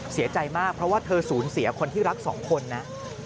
เสียใจมากเพราะว่าเธอสูญเสียคนที่รักสองคนนะ